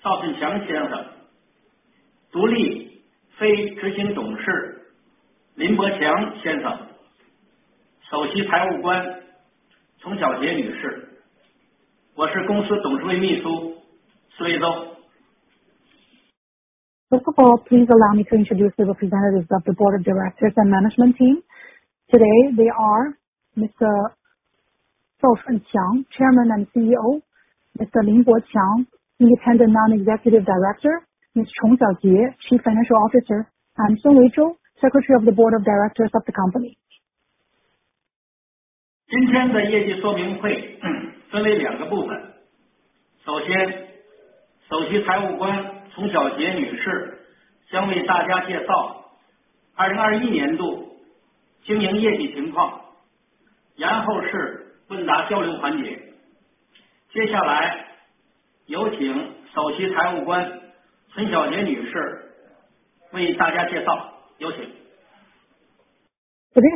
First of all, please allow me to introduce the representatives of the Board of Directors and management team. Today they are Mr. Zhao Shunqiang, Chairman and CEO. Mr. Lin Boqiang, Independent Non-Executive Director. Ms. Chong Xiaojie, Chief Financial Officer. I'm Sun Weizhou, Secretary of the Board of Directors of the company. Today's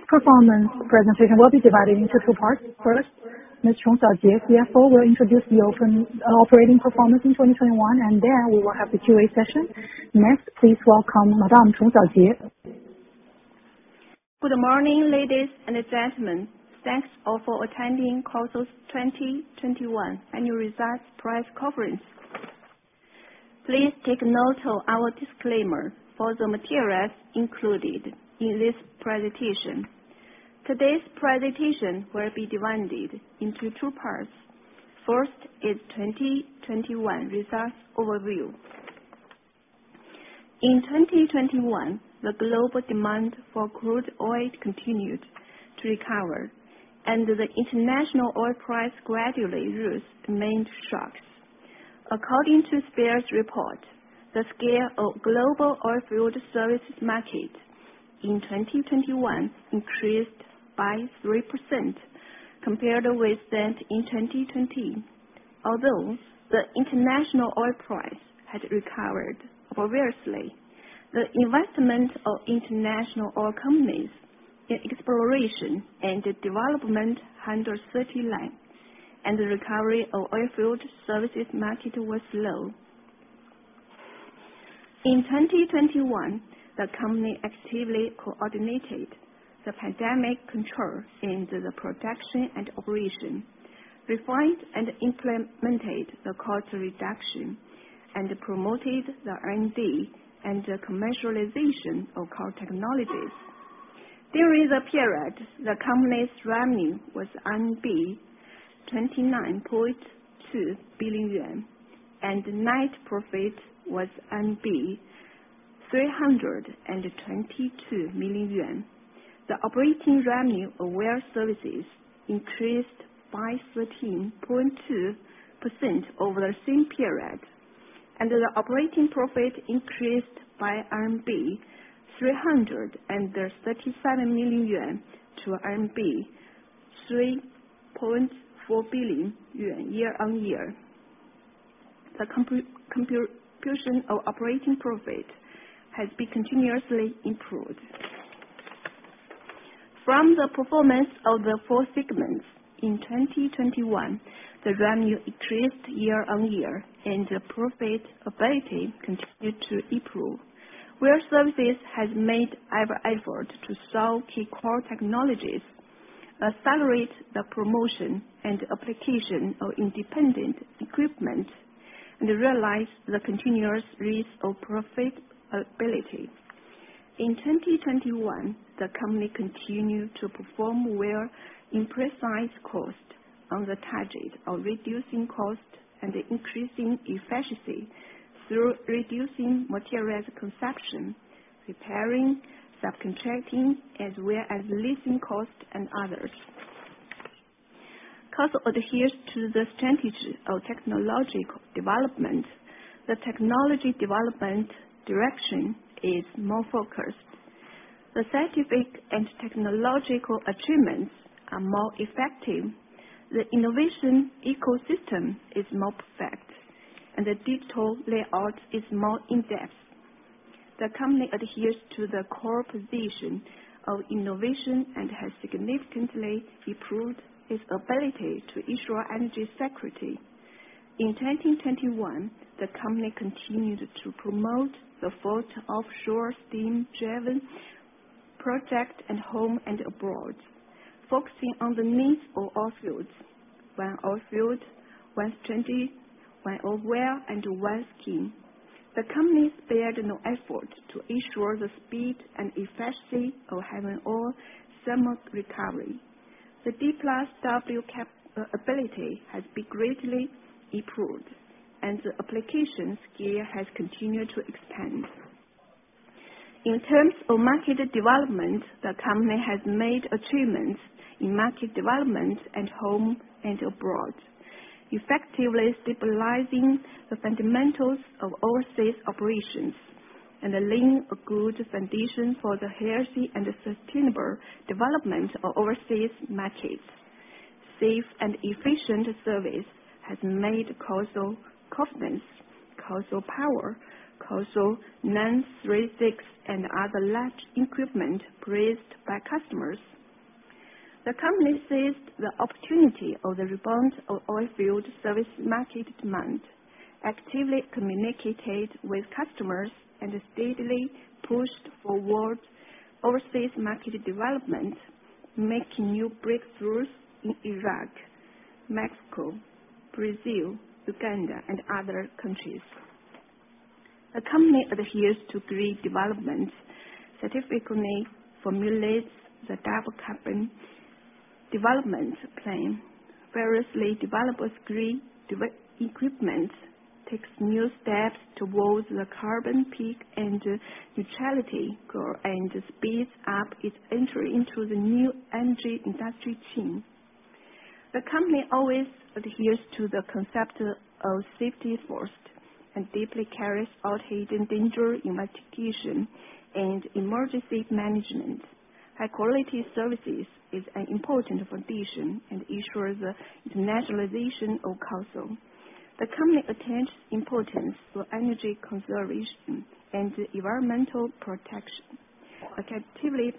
performance presentation will be divided into two parts. First, Ms. Chong Xiaojie, CFO, will introduce the operating performance in 2021, and then we will have the Q&A session. Next, please welcome Madame Chong Xiaojie. Good morning, ladies and gentlemen. Thanks all for attending COSL's 2021 annual results press conference. Please take note of our disclaimer for the materials included in this presentation. Today's presentation will be divided into two parts. First is 2021 results overview. In 2021, the global demand for crude oil continued to recover, and the international oil price gradually reduced the main shocks. According to Spears Report, the scale of global oilfield services market in 2021 increased by 3% compared with that in 2020. Although the international oil price had recovered previously, the investment of international oil companies in exploration and development was underutilized and the recovery of oilfield services market was low. In 2021, the company actively coordinated the pandemic control into the production and operation, refined and implemented the cost reduction, and promoted the R&D and the commercialization of core technologies. During the period, the company's revenue was 29.2 billion yuan, and net profit was 322 million yuan. The operating revenue Well Services increased by 13.2% over the same period, and the operating profit increased by 337 million yuan to 3.4 billion yuan year-over-year. The computation of operating profit has been continuously improved. From the performance of the four segments in 2021, the revenue increased year-over-year, and the profitability continued to improve. Well Services has made every effort to sell key core technologies, accelerate the promotion and application of independent equipment, and realize the continuous release of profitability. In 2021, the company continued to perform well in precise cost on the target of reducing cost and increasing efficiency through reducing materials consumption, preparing subcontracting as well as leasing costs and others. COSL adheres to the strategy of technological development. The technology development direction is more focused. The scientific and technological achievements are more effective. The innovation ecosystem is more perfect. The digital layout is more in-depth. The company adheres to the core position of innovation and has significantly improved its ability to ensure energy security. In 2021, the company continued to promote the float offshore steam-driven project at home and abroad, focusing on the needs of oil fields. One oil field, one strategy, one oil well, and one team. The company spared no effort to ensure the speed and efficiency of heavy oil thermal recovery. The D plus W capability has been greatly improved and the application scale has continued to expand. In terms of market development, the company has made achievements in market development at home and abroad, effectively stabilizing the fundamentals of overseas operations and laying a good foundation for the healthy and sustainable development of overseas markets. Safe and efficient service has made COSL Confidence, COSL Power, COSL 936 and other large equipment praised by customers. The company seized the opportunity of the rebound of oilfield service market demand, actively communicated with customers, and steadily pushed towards overseas market development, making new breakthroughs in Iraq, Mexico, Brazil, Uganda and other countries. The company adheres to three developments, strategically formulates the double carbon development plan, variously develops green development equipment, takes new steps towards the carbon peak and neutrality goal, and speeds up its entry into the new energy industry chain. The company always adheres to the concept of safety first and deeply carries out hidden danger investigation and emergency management. High quality services is an important foundation and ensures the internationalization of COSL. The company attaches importance to energy conservation and environmental protection. It actively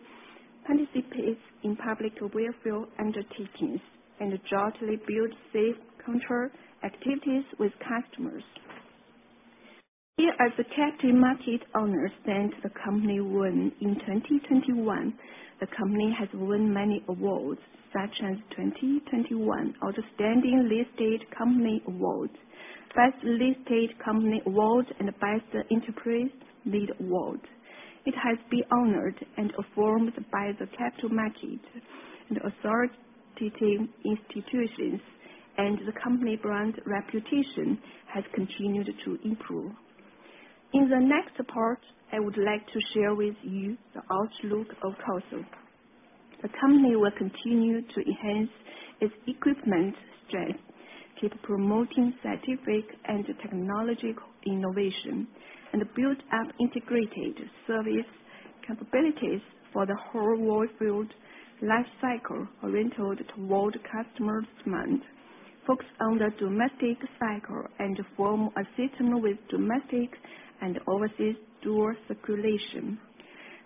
participates in public welfare undertakings and jointly build safety culture activities with customers. Here are the capital market honors the company has won. In 2021, the company has won many awards such as 2021 Outstanding Listed Company Award, Best Listed Company Award, and Best Enterprise Leadership Award. It has been honored and affirmed by the capital market and authoritative institutions. The company brand reputation has continued to improve. In the next part, I would like to share with you the outlook of COSL. The company will continue to enhance its equipment strength, keep promoting scientific and technological innovation, and build up integrated service capabilities for the whole oilfield life cycle oriented toward customer demand. Focus on the domestic cycle and form a system with domestic and overseas dual circulation.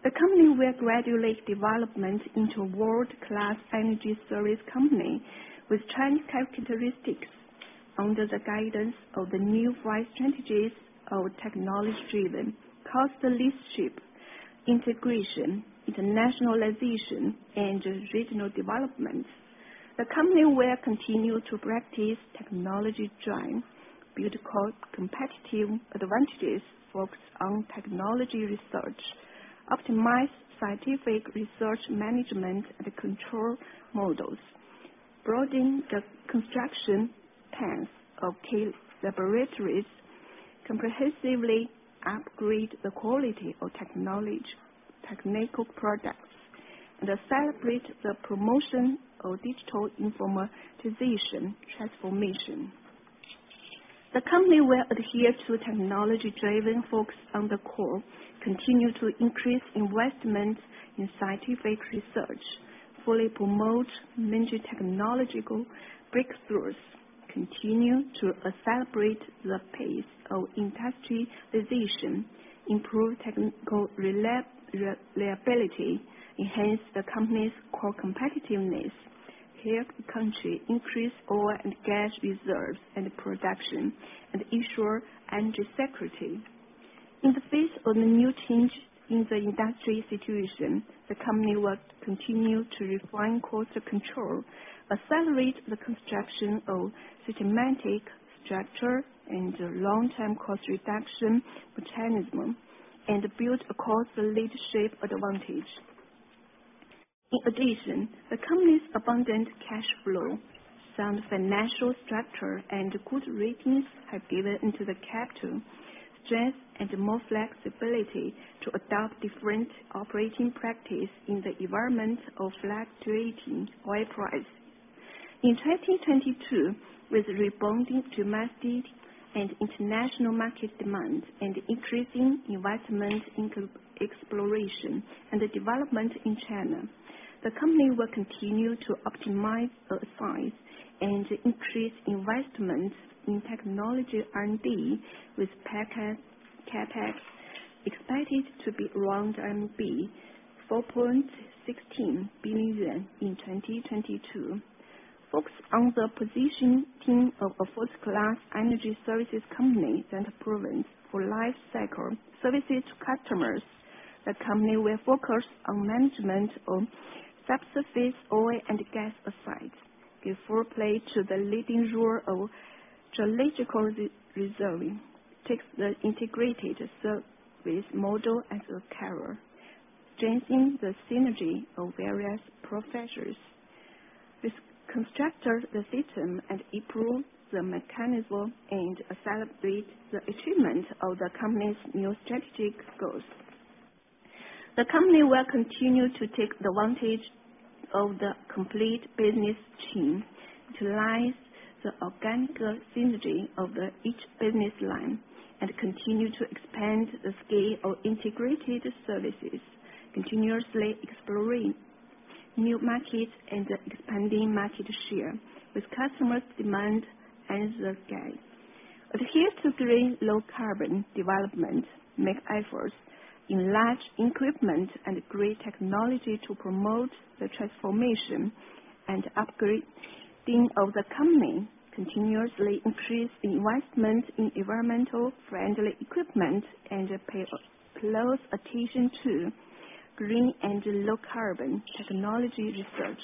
The company will gradually develop into world-class energy service company with Chinese characteristics. Under the guidance of the new five strategies of technology-driven cost leadership, integration, internationalization, and regional development. The company will continue to practice technology drive, build core competitive advantages, focus on technology research, optimize scientific research management and control models, broaden the construction paths of key laboratories, comprehensively upgrade the quality of technology, technical products, and accelerate the promotion of digital informatization transformation. The company will adhere to technology-driven focus on the core, continue to increase investment in scientific research, fully promote major technological breakthroughs, continue to accelerate the pace of industry position, improve technical reliability, enhance the company's core competitiveness, help the country increase oil and gas reserves and production, and ensure energy security. In the face of the new change in the industry situation, the company will continue to refine cost control, accelerate the construction of systematic structure and long-term cost reduction mechanism, and build a cost leadership advantage. In addition, the company's abundant cash flow, sound financial structure and good ratings have given the company capital strength and more flexibility to adopt different operating practice in the environment of fluctuating oil price. In 2022, with rebounding domestic and international market demand and increasing investment in exploration and development in China, the company will continue to optimize both sides and increase investments in technology R&D, with CapEx expected to be around 4.16 billion yuan in 2022. Focus on the positioning of a first class energy services company that provides for lifecycle services to customers. The company will focus on management of subsurface oil and gas sites, give full play to the leading role of geological re-reserving, takes the integrated service model as a carrier, strengthening the synergy of various professionals. This constructed the system and improve the mechanism and celebrate the achievement of the company's new strategic goals. The company will continue to take the advantage of the complete business team to raise the organic synergy of the each business line and continue to expand the scale of integrated services, continuously exploring new markets and expanding market share with customers' demand as the guide. Adhere to green low carbon development, make efforts in large equipment and great technology to promote the transformation and upgrading of the company, continuously increase investment in environmental friendly equipment, and pay close attention to green and low carbon technology research.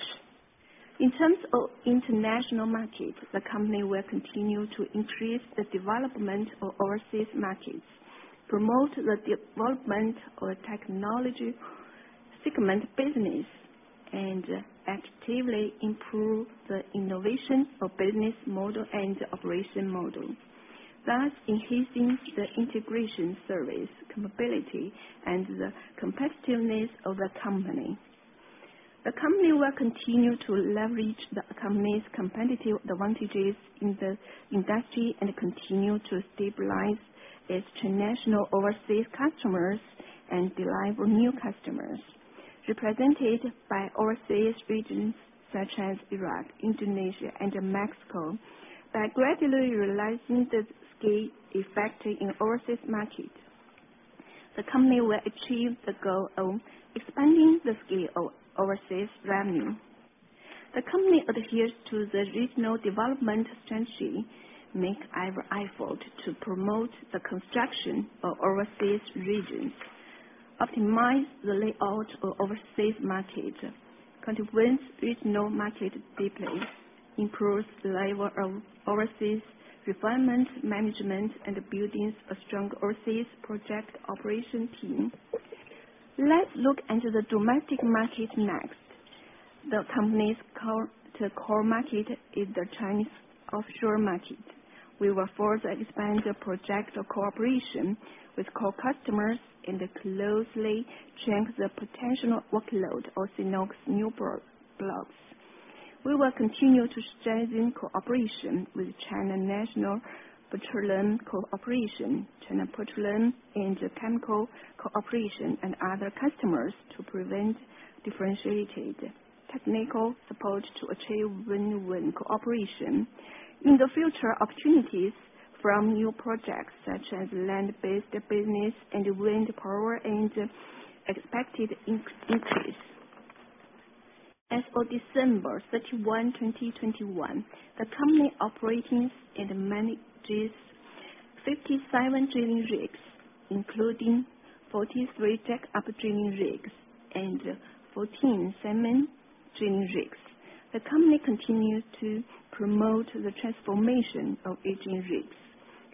In terms of international market, the company will continue to increase the development of overseas markets, promote the development of technology segment business, and actively improve the innovation of business model and operation model, thus enhancing the integration service capability and the competitiveness of the company. The company will continue to leverage the company's competitive advantages in the industry and continue to stabilize its international overseas customers and develop new customers, represented by overseas regions such as Iraq, Indonesia, and Mexico, by gradually realizing the scale effect in overseas market. The company will achieve the goal of expanding the scale of overseas revenue. The company adheres to the regional development strategy, make every effort to promote the construction of overseas regions, optimize the layout of overseas market, penetrates regional market deeply, improves the level of overseas refined management, and building a strong overseas project operation team. Let's look into the domestic market next. The core market is the Chinese offshore market. We will further expand the project of cooperation with core customers and closely check the potential workload of CNOOC's new production blocks. We will continue to strengthen cooperation with China National Petroleum Corporation, China Petroleum & Chemical Corporation and other customers to provide differentiated technical support to achieve win-win cooperation. In the future, opportunities from new projects such as land-based business and wind power and expected increase. As of December 31, 2021, the company operates and manages 57 drilling rigs, including 43 jack-up drilling rigs and 14 semi drilling rigs. The company continues to promote the transformation of aging rigs,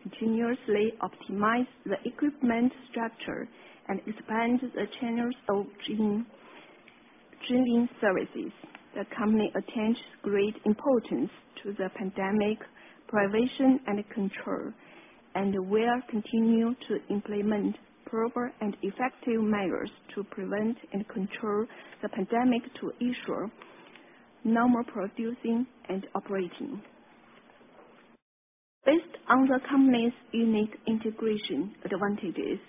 continuously optimize the equipment structure, and expand the channels of drilling services. The company attaches great importance to the pandemic prevention and control, and will continue to implement proper and effective measures to prevent and control the pandemic to ensure normal production and operation. Based on the company's unique integration advantages,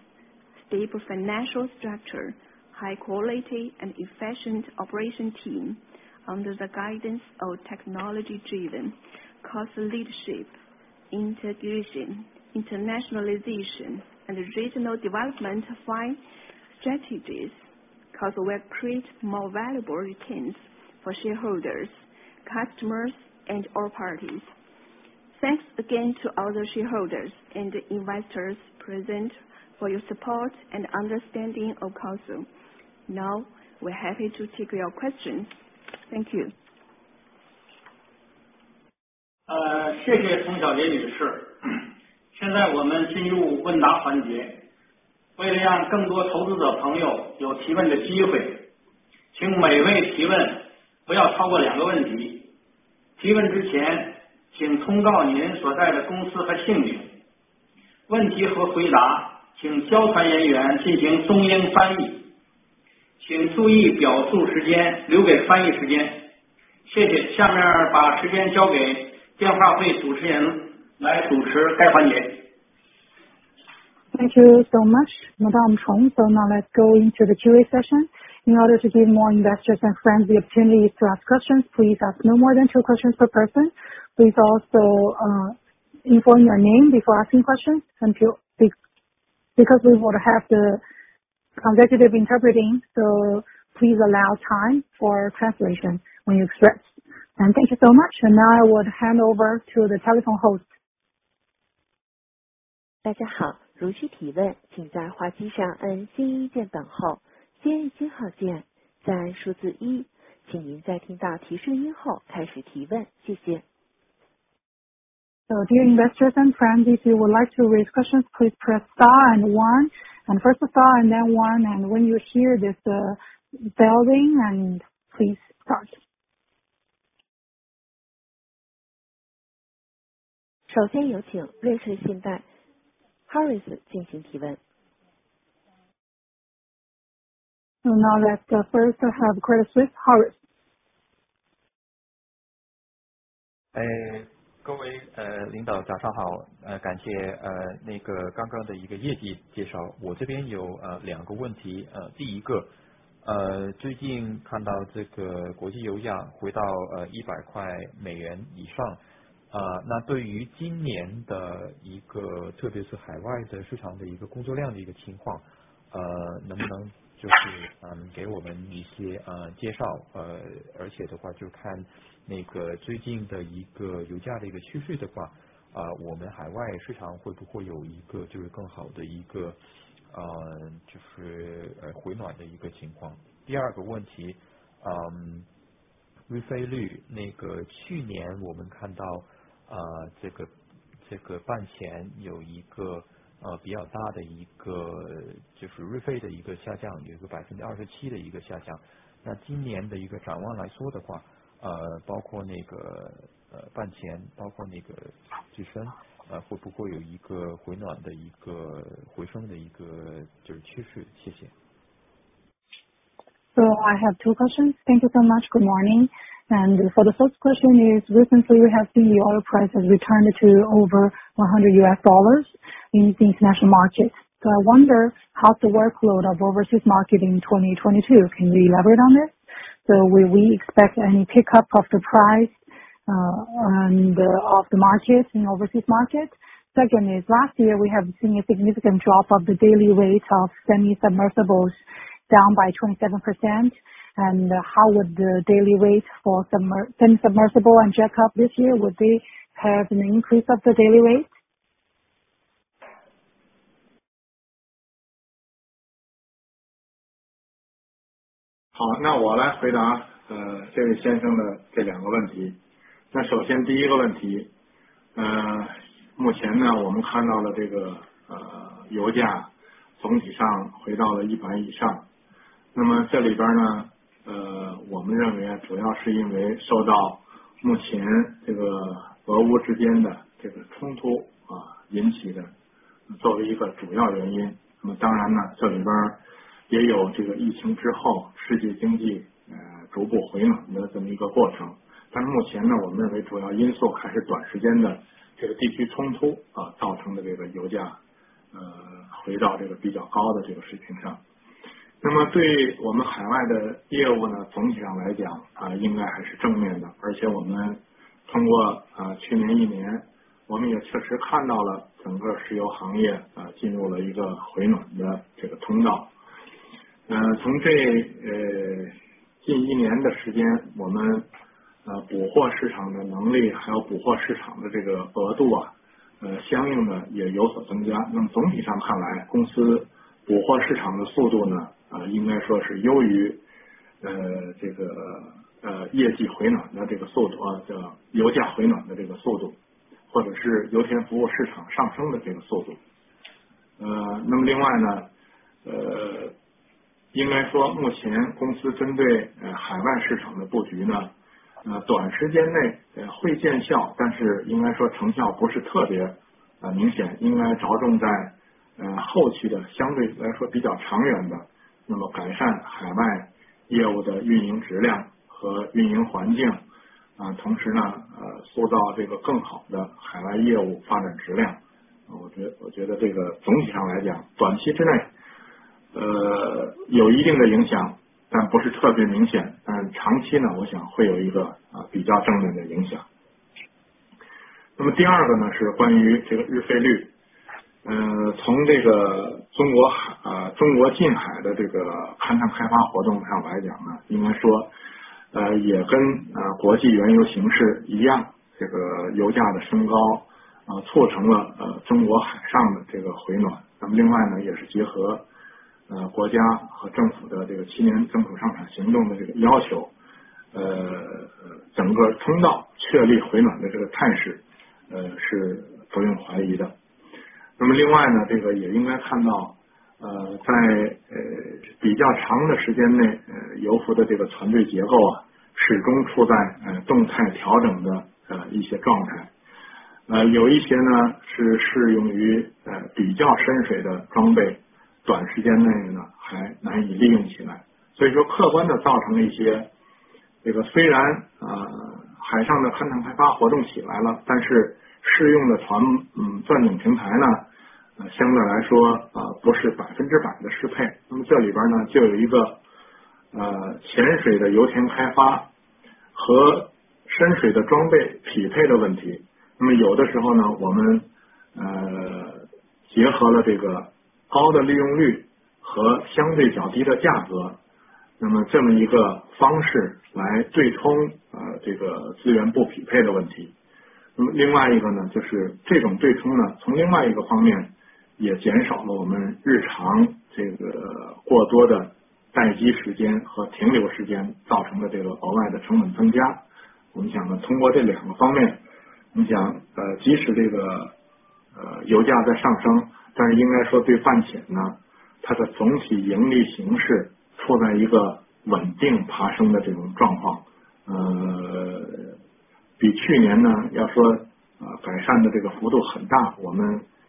stable financial structure, high quality and efficient operation team under the guidance of technology-driven, cost leadership, integration, internationalization, and regional development fund strategies, COSL will create more valuable returns for shareholders, customers, and all parties. Thanks again to all the shareholders and investors present for your support and understanding of COSL. Now we're happy to take your questions. Thank you. Thank you so much, Madam Chong. Now let's go into the Q&A session. In order to give more investors and friends the opportunity to ask questions, please ask no more than two questions per person. Please also inform your name before asking questions. Thank you. Because we will have the consecutive interpreting, so please allow time for translation when you express. Thank you so much. Now I will hand over to the telephone host. 大家好，如需提问，请在话机上按星一键等候，星号键再按数字一，请您在听到提示音后开始提问，谢谢。Dear investors and friends, if you would like to raise questions, please press star and one, and first star and then one. When you hear this bell ring, please start. 首先有请瑞士信贷Harris进行提问。Now let's first have Credit Suisse Harris. I have two questions. Thank you so much. Good morning. For the first question is recently we have seen the oil price has returned to over $100 in the international market. I wonder how the workload of overseas market in 2022, can you elaborate on this? Will we expect any pickup of the price, on the of the market in overseas market? Second is last year we have seen a significant drop of the daily rate of semi-submersibles down by 27%. How would the daily rate for semi-submersible and jack-up this year, would they have an increase of the daily rate?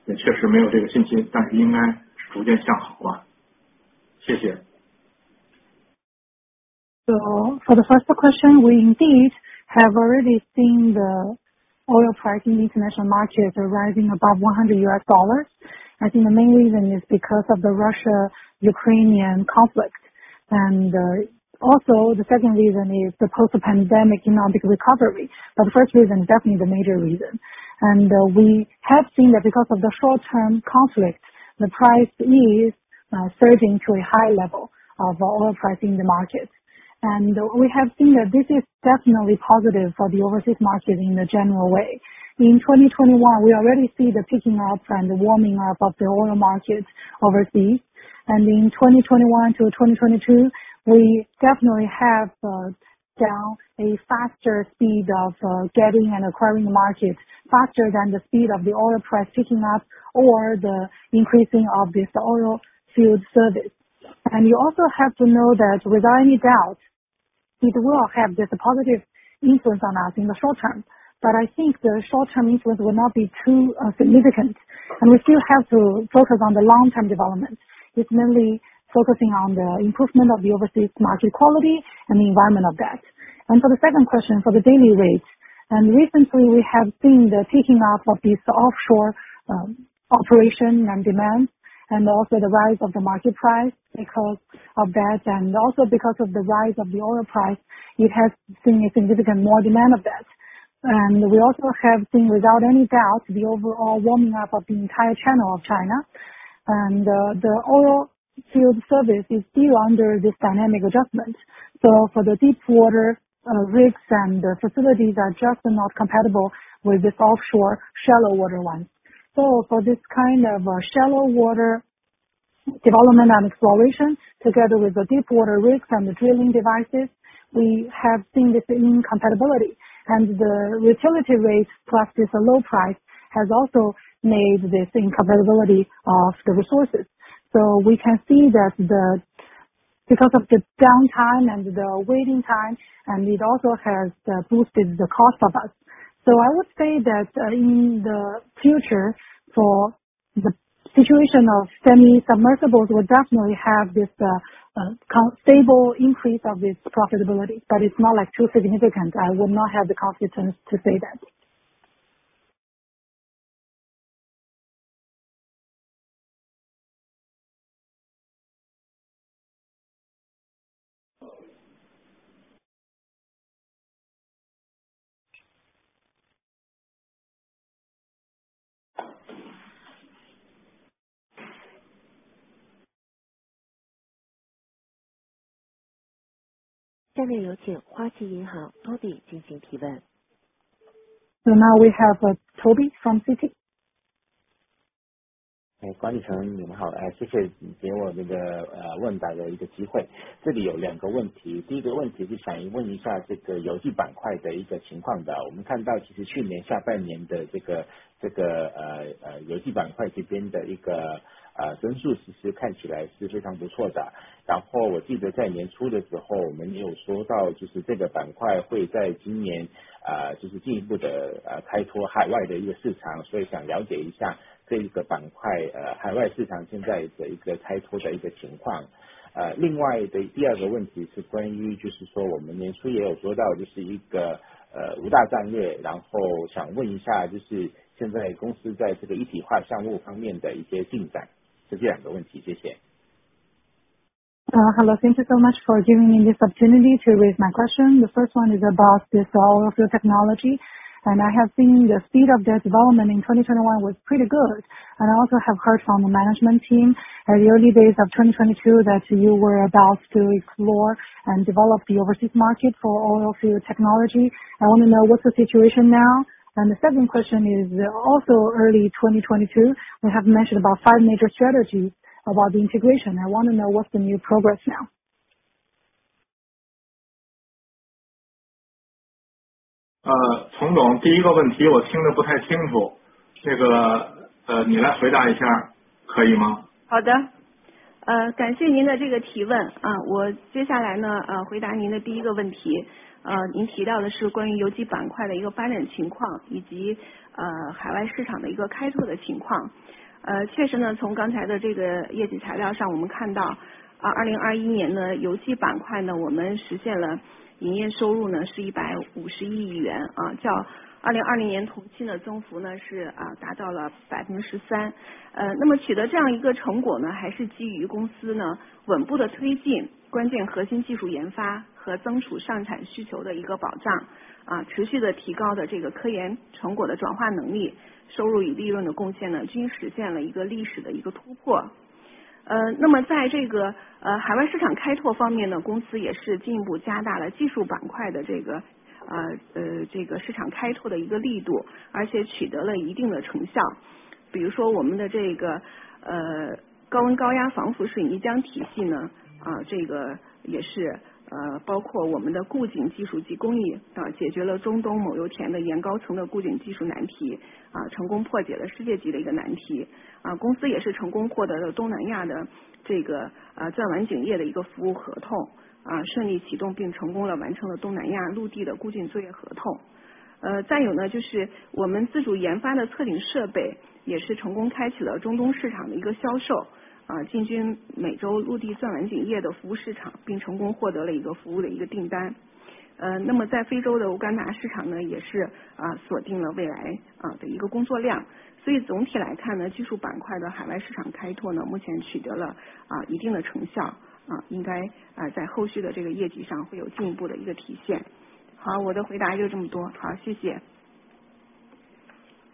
For the first question, we indeed have already seen the oil price in international markets are rising above $100. I think the main reason is because of the Russia-Ukraine conflict. Also the second reason is the post-pandemic economic recovery. The first reason, definitely the major reason. We have seen that because of the short-term conflict, the price is surging to a high level of oil price in the market. We have seen that this is definitely positive for the overseas market in the general way. In 2021, we already see the picking up and warming up of the oil market overseas. In 2021 to 2022, we definitely have a faster speed of getting and acquiring the market faster than the speed of the oil price picking up or the increasing of this oil field service. You also have to know that without any doubt, it will have this positive influence on us in the short-term. I think the short-term influence will not be too significant, and we still have to focus on the long-term development. It's mainly focusing on the improvement of the overseas market quality and the environment of that. For the second question for the daily rates, and recently we have seen the taking up of this offshore, operation and demand and also the rise of the market price because of that, and also because of the rise of the oil price, it has seen a significant more demand of that. We also have seen, without any doubt, the overall warming up of the entire channel of China. The oilfield service is still under this dynamic adjustment. For the deepwater rigs and facilities are just not compatible with this offshore shallow water one. For this kind of shallow water development and exploration, together with the deepwater rigs and the drilling devices, we have seen this incompatibility. The utility rates plus this low price has also made this incompatibility of the resources. We can see that because of the downtime and the waiting time, and it also has boosted the cost of us. I would say that in the future, for the situation of semi-submersibles will definitely have this stable increase of this profitability, but it's not like too significant. I would not have the confidence to say that. 下面有请花旗银行Toby进行提问。Now we have Toby from Citi. Hello, thank you so much for giving me this opportunity to raise my question. The first one is about this oil field technology, and I have seen the speed of their development in 2021 was pretty good. I also have heard from the management team at the early days of 2022 that you were about to explore and develop the overseas market for oil field technology. I want to know what's the situation now? The second question is also early 2022. We have mentioned about five major strategies about the integration. I want to know what's the new progress now? 丛总，第一个问题我听得不太清楚，你来回答一下可以吗？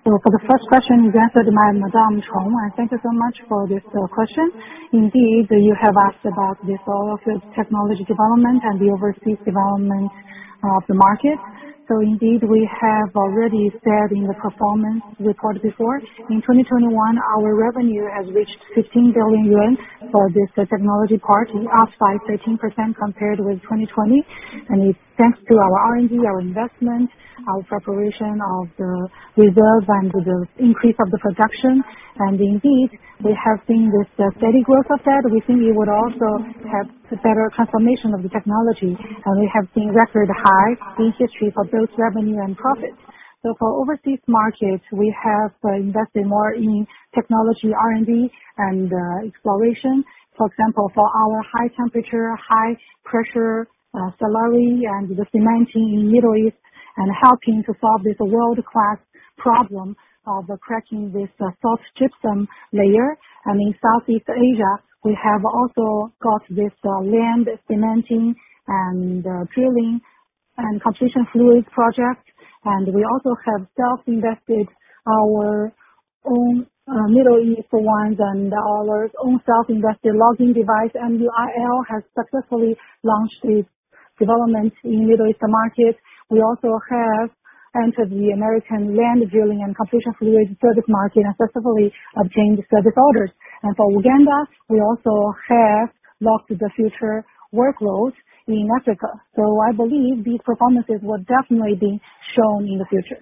For the first question you answered by Ms. Chong. Thank you so much for this question. Indeed, you have asked about this oilfield technology development and the overseas development of the market. Indeed we have already said in the performance report before. In 2021 our revenue has reached 15 billion yuan for this technology part up by 13% compared with 2020. It thanks to our R&D, our investment, our preparation of the reserve and the increase of the production. Indeed we have seen this steady growth of that. We think it would also have better confirmation of the technology. We have seen record high in history for both revenue and profit. For overseas markets, we have invested more in technology R&D and exploration. For example, for our high temperature, high pressure slurry and the cementing in Middle East, and helping to solve this world-class problem of cracking this soft gypsum layer. In Southeast Asia, we have also got this land cementing and drilling and completion fluid project. We also have self-invested our own Middle East ones and our own self-invested logging device MUL has successfully launched its development in Middle East market. We also have entered the American land drilling and completion fluid service market and successfully obtained service orders. For Uganda, we also have locked the future workloads in Africa. I believe these performances will definitely be shown in the future.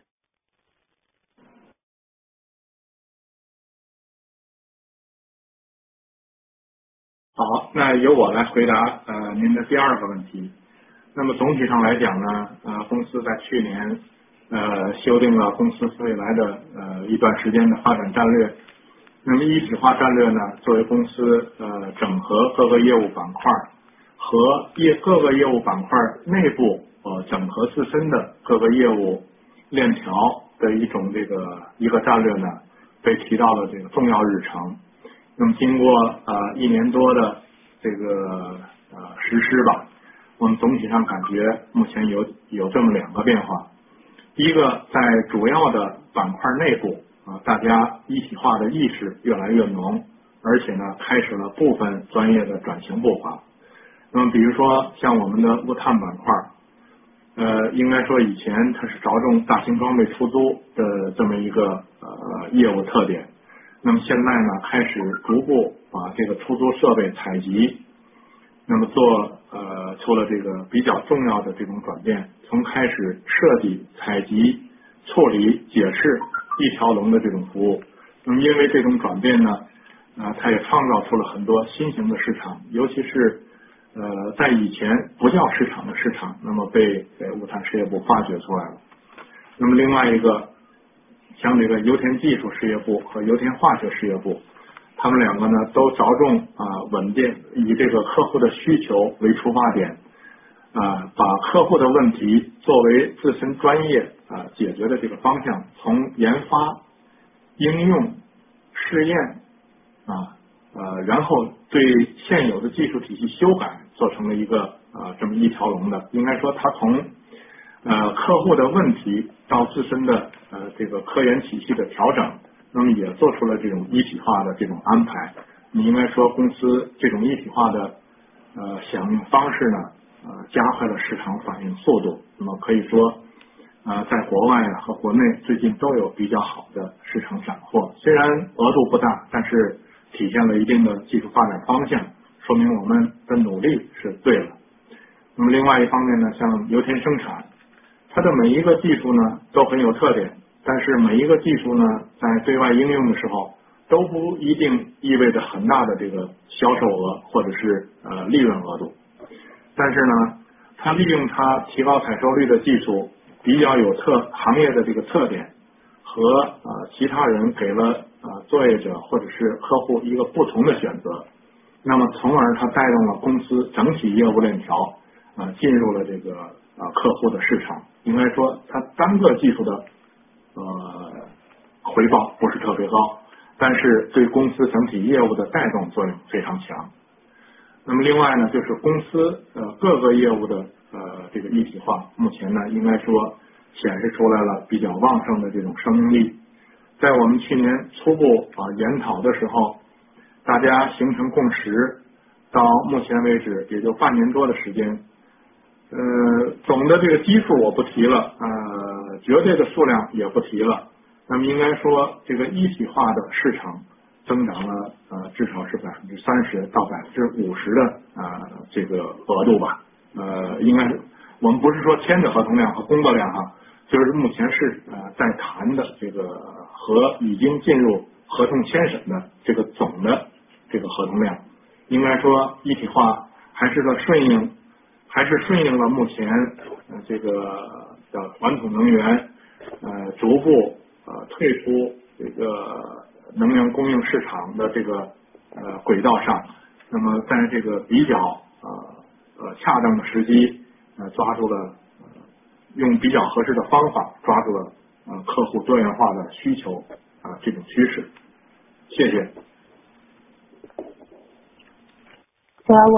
I will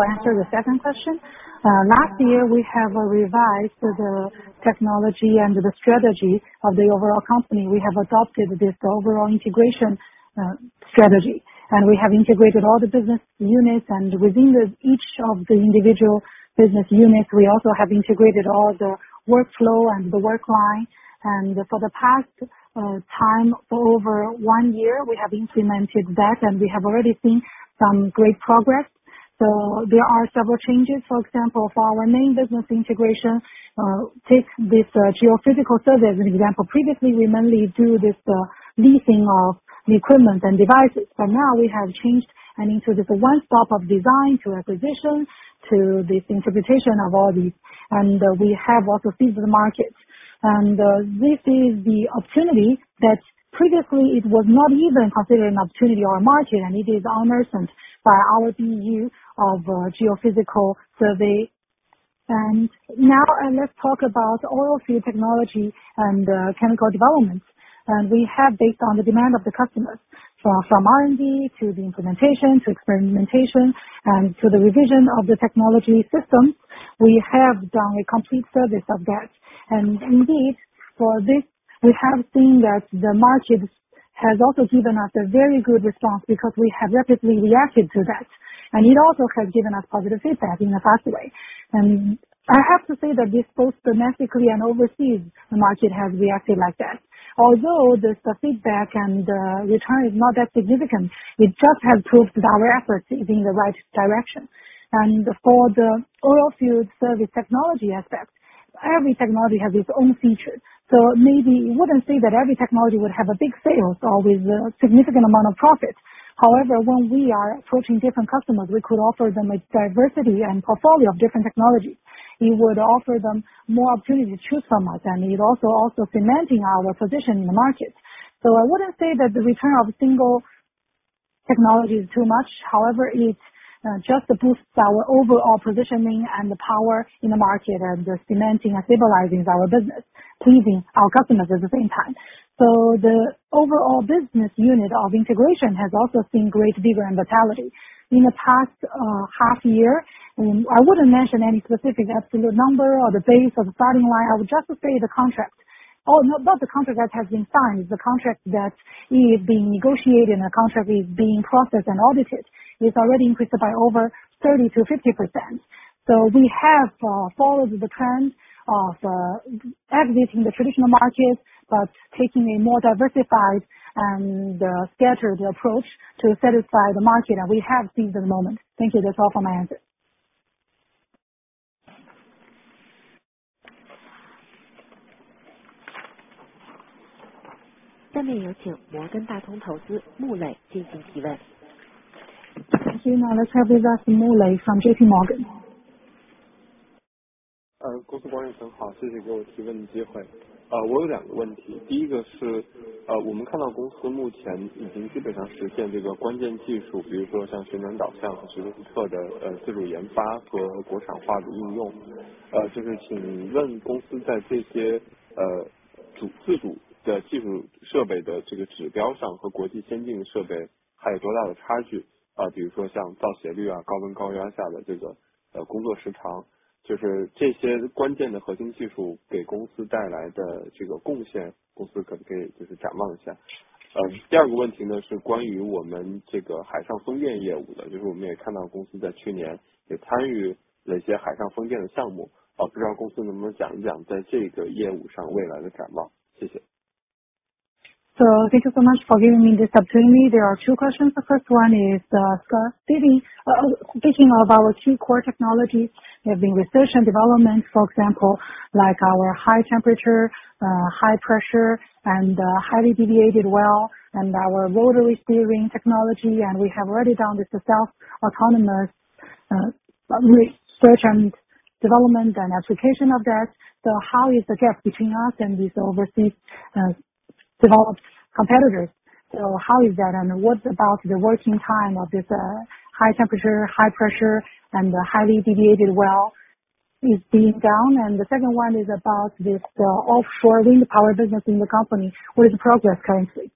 answer the second question. Last year we have a revision to the technology and the strategy of the overall company. We have adopted this overall integration strategy, and we have integrated all the business units and within each of the individual business units, we also have integrated all the workflow and the work line. For the past time over one year, we have implemented that and we have already seen some great progress. There are several changes. For example, for our main business integration, take this Geophysical Services as an example. Previously we mainly do this leasing of the equipment and devices, but now we have changed and included the one-stop of design to acquisition to the interpretation of all these. We have also seized the markets. This is the opportunity that previously it was not even considered an opportunity or a market, and it is unmatched by our BU of geophysical survey. Now let's talk about oilfield technology and chemical development. We have based on the demand of the customers from R&D to the implementation to experimentation and to the revision of the technology systems. We have done a complete service of that. Indeed, for this, we have seen that the market has also given us a very good response because we have rapidly reacted to that, and it also has given us positive feedback in a fast way. I have to say that this both domestically and overseas market has reacted like that, although the feedback and return is not that significant, it just have proved our effort is in the right direction. For the oil field service technology aspect, every technology has its own features, so maybe you wouldn't say that every technology would have a big sales or with a significant amount of profits. However, when we are approaching different customers, we could offer them a diversity and portfolio of different technologies. It would offer them more opportunity to choose from us. It also cements our position in the market. So I wouldn't say that the return of a single technology is too much. However, it's just to boost our overall positioning and the power in the market and cementing and stabilizing our business, pleasing our customers at the same time. So the overall business unit of integration has also seen great vigor and vitality. In the past half year, I wouldn't mention any specific absolute number or the base of the starting line. I would just say, not the contract that has been signed, the contract that is being negotiated and a contract is being processed and audited. It's already increased by over 30%-50%. We have followed the trend of exiting the traditional markets, but taking a more diversified and scattered approach to satisfy the market, and we have seized the moment. Thank you. That's all for my answer. 下面有请摩根大通投资穆磊进行提问。Now let's have the last Mu Lei from JPMorgan. Thank you so much for giving me this opportunity. There are two questions. The first one is, speaking of our two core technologies, there have been research and development, for example, like our high temperature, high pressure and highly deviated well, and our rotary steerable technology. We have already done this as a self-autonomous research and development and application of that. How is the gap between us and these overseas developed competitors? How is that? What about the working time of this high temperature, high pressure and highly deviated well is being done? The second one is about this offshore wind power business in the company. What's the progress currently?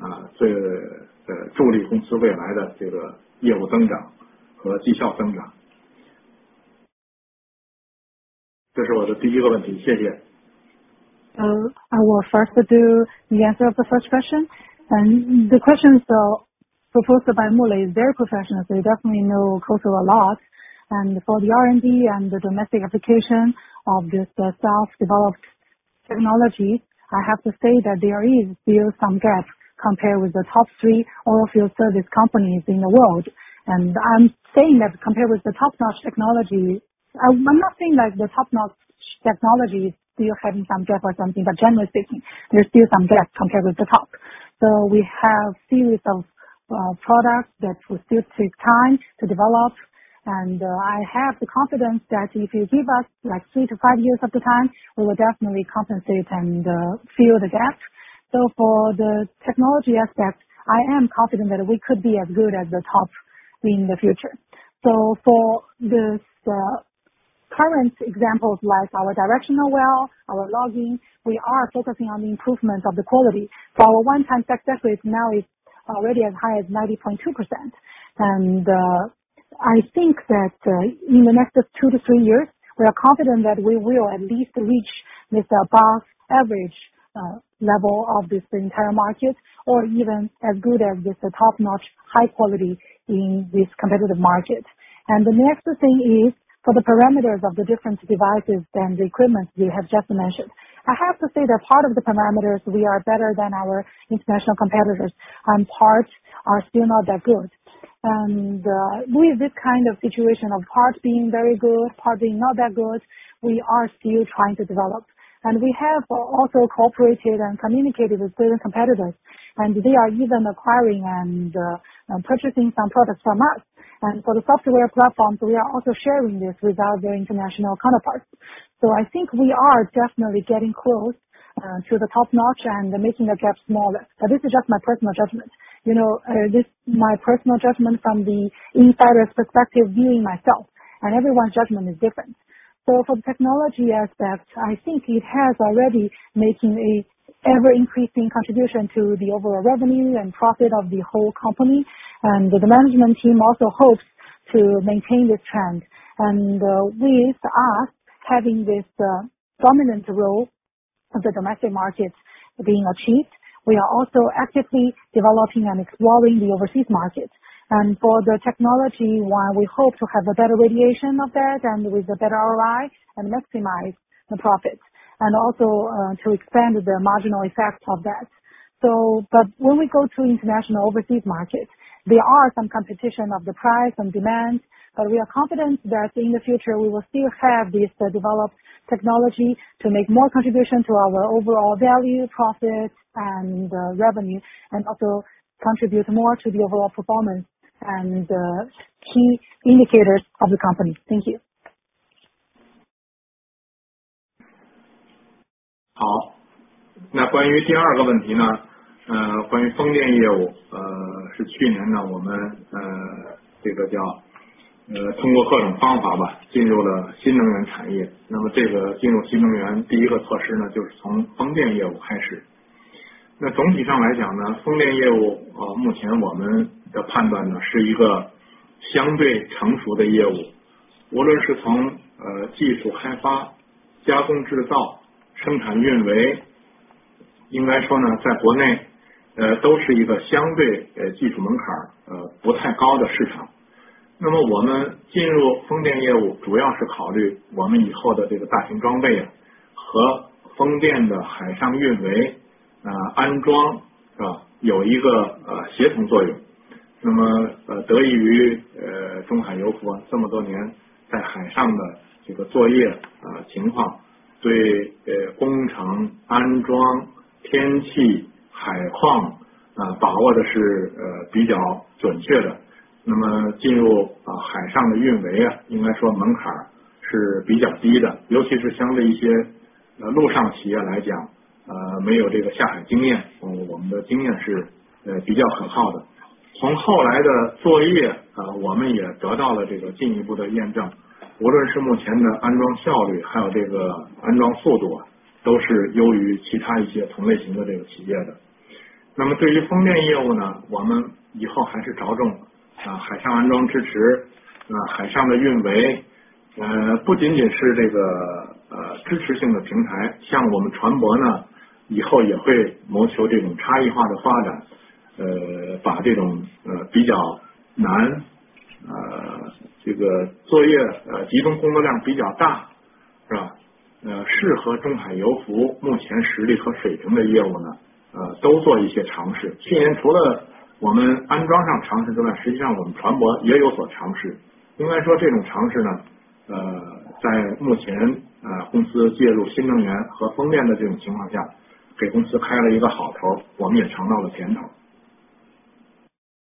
I will first do the answer of the first question and the question so proposed by Mu Lei is very professional, so you definitely know COSL a lot. For the R&D and the domestic application of this self-developed technology, I have to say that there is still some gaps compared with the top three oilfield service companies in the world. I'm saying that compared with the top-notch technology, I'm not saying that the top-notch technology still having some gap or something, but generally speaking, there's still some gap compared with the top. We have series of products that will still take time to develop, and I have the confidence that if you give us like three to five years of the time, we will definitely compensate and fill the gap. For the technology aspect, I am confident that we could be as good as the top in the future. For this current examples like our directional well, our logging, we are focusing on the improvement of the quality. For our one-time success rate now is already as high as 90.2%. I think that in the next two to three years, we are confident that we will at least reach this above average level of this entire market or even as good as this top-notch high quality in this competitive market. The next thing is for the parameters of the different devices and the equipment you have just mentioned. I have to say that part of the parameters we are better than our international competitors, and parts are still not that good. With this kind of situation of parts being very good, part being not that good, we are still trying to develop and we have also cooperated and communicated with certain competitors and they are even acquiring and purchasing some products from us. For the software platform, we are also sharing this with our international counterparts. I think we are definitely getting close to the top-notch and making the gap smaller. This is just my personal judgment. You know, my personal judgment from the insider's perspective, being myself, and everyone's judgment is different. From technology aspect, I think it has already making a ever-increasing contribution to the overall revenue and profit of the whole company. The management team also hopes to maintain this trend. With us having this dominant role of the domestic markets being achieved, we are also actively developing and exploring the overseas markets. For the technology, while we hope to have a better radiation of that and with a better ROI and maximize the profits and also to expand the marginal effect of that. When we go to international overseas markets, there are some competition of the price and demand, but we are confident that in the future we will still have this developed technology to make more contribution to our overall value, profit and revenue, and also contribute more to the overall performance and key indicators of the company. Thank you.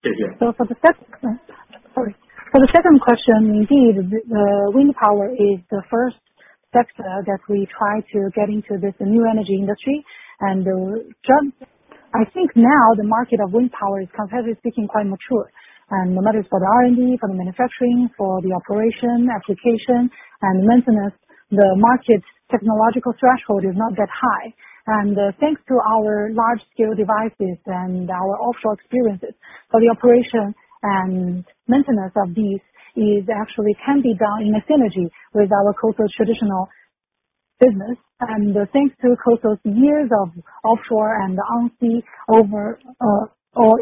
Sorry. For the second question, indeed, the wind power is the first sector that we try to get into this new energy industry. I think now the market of wind power is comparatively speaking quite mature. No matter for the R&D, for the manufacturing, for the operation, application and maintenance, the market technological threshold is not that high. Thanks to our large scale devices and our offshore experiences, for the operation and maintenance of these is actually can be done in a synergy with our COSL traditional business. Thanks to COSL's years of offshore and on-sea operations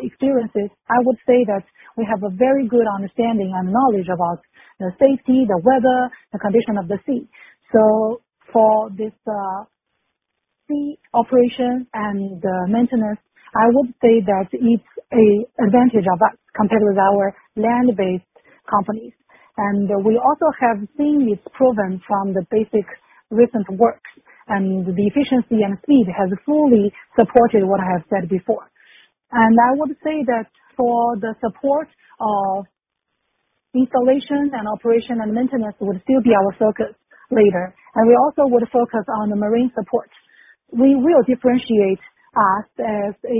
experiences, I would say that we have a very good understanding and knowledge about the safety, the weather, the condition of the sea. For this, sea operation and the maintenance, I would say that it's an advantage of us compared with our land-based companies. We also have seen this proven from the basic recent work, and the efficiency and speed has fully supported what I have said before. I would say that for the support of installation and operation and maintenance would still be our focus later. We also would focus on the marine support. We will differentiate us as a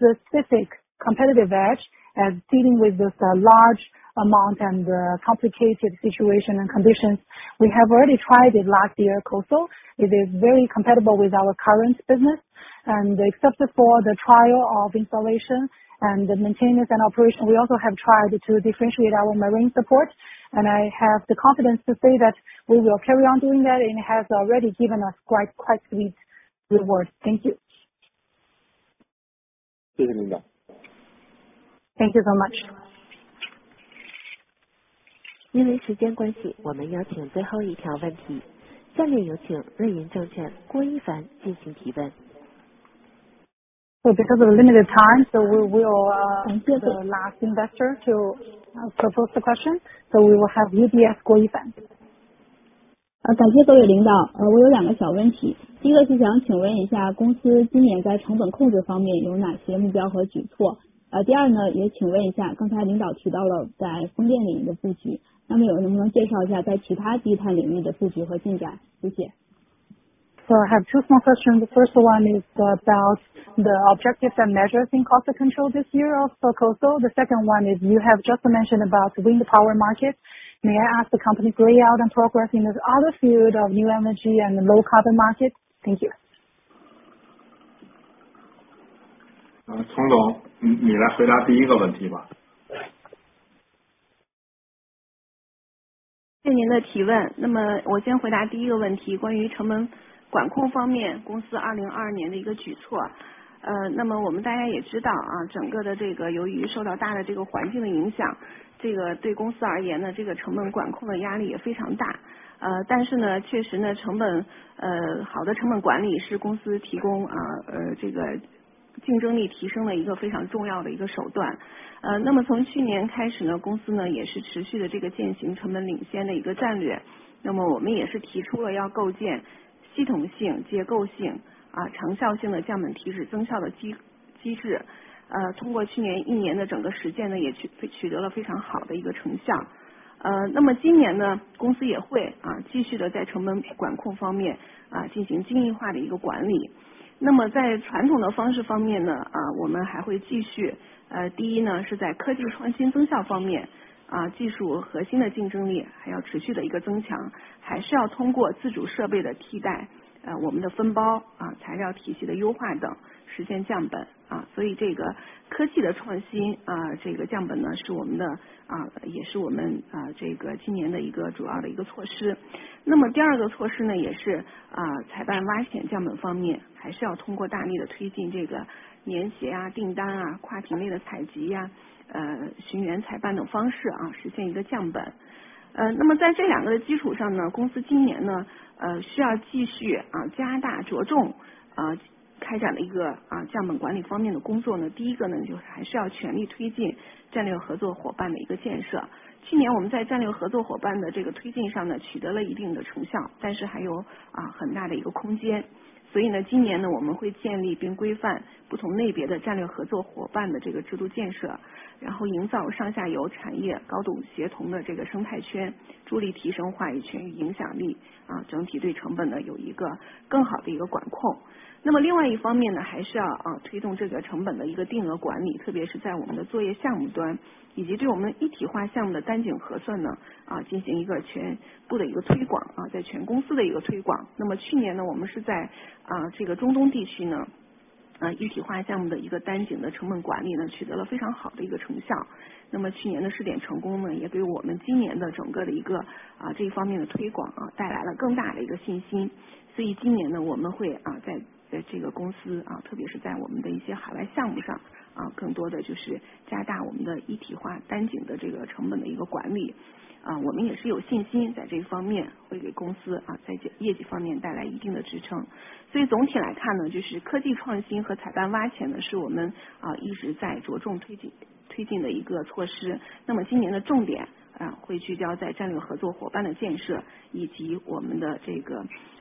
specific competitive edge as dealing with this large amount and complicated situation and conditions. We have already tried it last year coastal. It is very compatible with our current business and except for the trial of installation and the maintenance and operation, we also have tried to differentiate our marine support, and I have the confidence to say that we will carry on doing that, and it has already given us quite sweet reward. Thank you. 谢谢您吧。Thank you so much. 因为时间关系，我们有请最后一条问题。下面有请瑞银证券郭一凡进行提问。Because of limited time. Thank you. The last investor to pose the question. We will have UBS Guo Yifan. 感谢各位领导。我有两个小问题。第一个是想请问一下，公司今年在成本控制方面有哪些目标和举措？第二呢，也请问一下，刚才领导提到了在风电领域的发展，那么有什么能介绍一下在其他地盘领域的布局和进展？谢谢。I have two small questions. The first one is about the objectives and measures in cost control this year of COSL. The second one is you have just mentioned about wind power market. May I ask the company's layout and progress in this other field of new energy and low carbon market? Thank you. 佟总，你来回答第一个问题吧。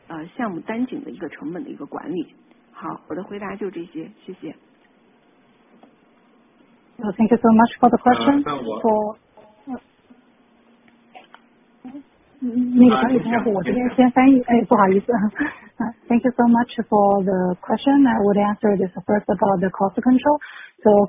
Thank you so much for the question. 我。Mm-hmm. Thank you so much for the question. I would answer this first about the cost control.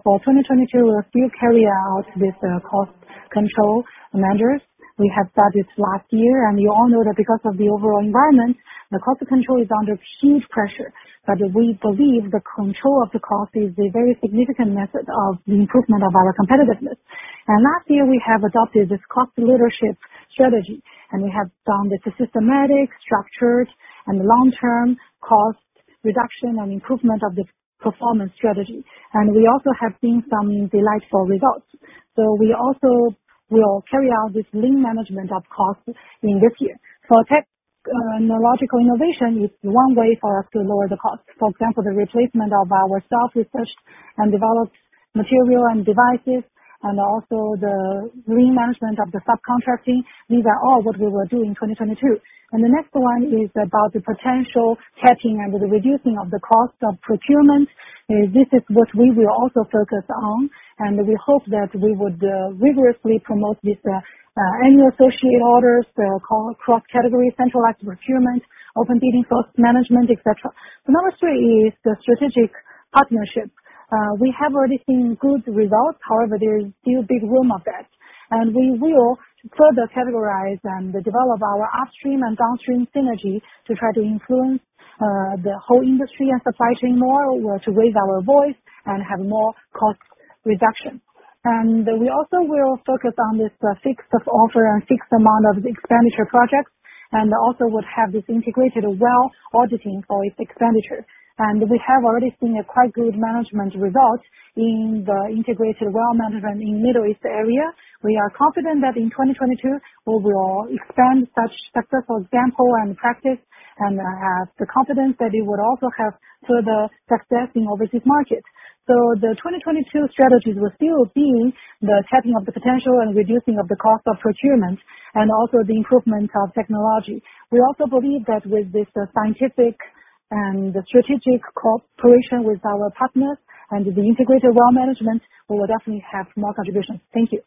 For 2022, we will still carry out this cost control measures we have started last year, and we all know that because of the overall environment, the cost control is under huge pressure, but we believe the control of the cost is a very significant method of the improvement of our competitiveness. Last year we have adopted this cost leadership strategy, and we have done this systematic, structured and long-term cost reduction and improvement of the performance strategy. We also have seen some delightful results. We also will carry out this lean management of cost in this year. Technological innovation is one way for us to lower the cost. For example, the replacement of our self research and developed material and devices, and also the lean management of the subcontracting. These are all what we will do in 2022. The next one is about the potential catching and the reducing of the cost of procurement. This is what we will also focus on, and we hope that we would vigorously promote this annual associate orders, cross-category centralized procurement, open bidding cost management, etc. The number three is the strategic partnership. We have already seen good results. However, there is still big room of that, and we will further categorize and develop our upstream and downstream synergy to try to influence the whole industry and supply chain more, or to raise our voice and have more cost reduction. We also will focus on this fixed of offer and fixed amount of expenditure projects, and also would have this integrated well auditing for its expenditure. We have already seen a quite good management result in the integrated well management in Middle East area. We are confident that in 2022, we will expand such success, for example, and practice and have the confidence that it would also have further success in overseas markets. The 2022 strategies will still be the tapping of the potential and reducing of the cost of procurement, and also the improvement of technology. We also believe that with this scientific and strategic cooperation with our partners and the integrated well management, we will definitely have more contributions. Thank you.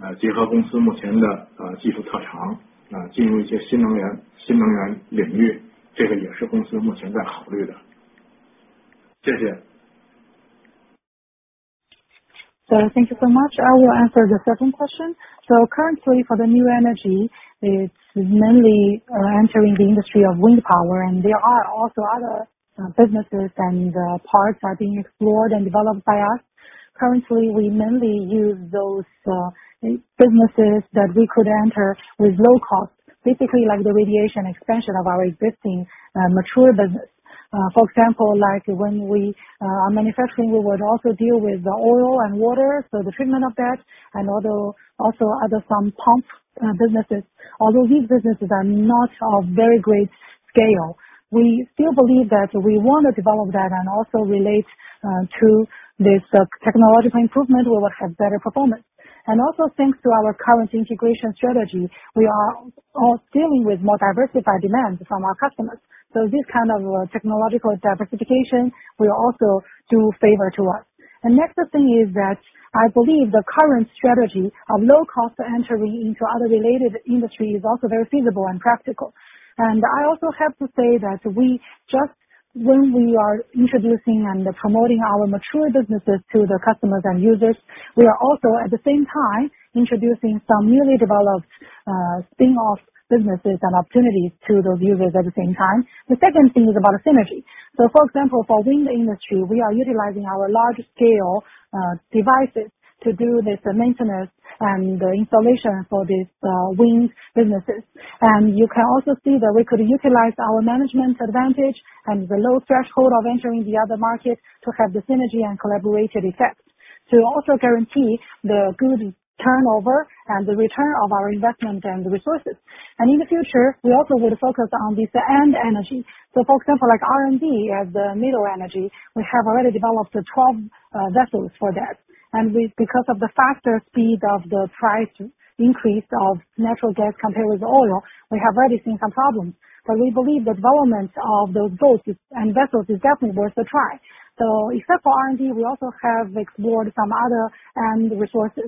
Thank you so much. I will answer the second question. Currently for the new energy is mainly entering the industry of wind power and there are also other businesses and parts are being explored and developed by us. Currently, we mainly use those businesses that we could enter with low cost, basically like the radiation expansion of our existing mature business. For example, like when we are manufacturing, we would also deal with oil and water. The treatment of that and although also other some pump businesses. Although these businesses are not of very great scale, we still believe that we want to develop that and also relate to this technological improvement, we will have better performance. Also thanks to our current integration strategy, we are all dealing with more diversified demands from our customers. This kind of technological diversification will also do favor to us. The next thing is that I believe the current strategy of low cost entering into other related industry is also very feasible and practical. I also have to say that we just when we are introducing and promoting our mature businesses to the customers and users, we are also at the same time introducing some newly developed spin-off businesses and opportunities to those users at the same time. The second thing is about synergy. For example, for wind industry, we are utilizing our large scale devices to do this maintenance and installation for this wind businesses. You can also see that we could utilize our management advantage and the low threshold of entering the other market to have the synergy and collaboration effects to also guarantee the good turnover and the return of our investment and resources. In the future, we also will focus on this new energy. For example, like R&D as the new energy, we have already developed the 12 vessels for that. We because of the faster speed of the price increase of natural gas compared with oil, we have already seen some problems, but we believe development of those boats and vessels is definitely worth a try. Except for R&D, we also have explored some other resources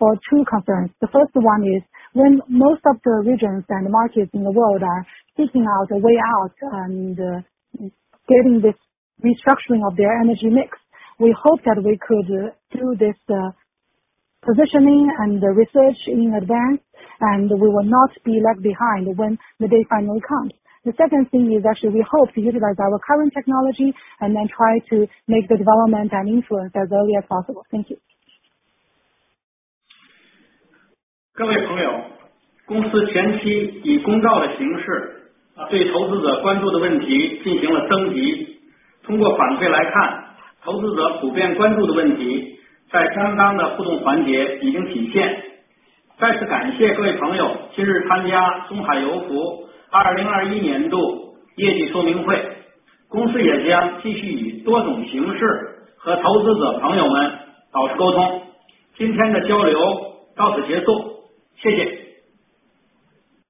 for two concerns. The first one is when most of the regions and markets in the world are seeking out a way out, and getting this restructuring of their energy mix, we hope that we could do this positioning and research in advance, and we will not be left behind when the day finally comes. The second thing is actually we hope to utilize our current technology and then try to make the development and influence as early as possible. Thank you.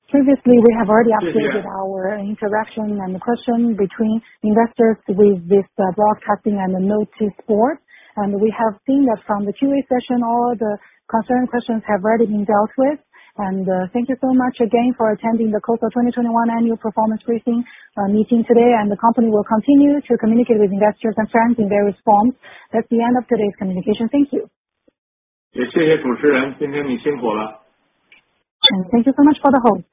Previously, we have already updated our interaction and the question between investors with this broadcasting and the notice board, and we have seen that from the Q&A session all the concerned questions have already been dealt with. Thank you so much again for attending the COSL 2021 annual performance briefing meeting today. The company will continue to communicate with investors and friends in various forms. That's the end of today's communication. Thank you. 也谢谢主持人，今天你辛苦了。Thank you so much for the host.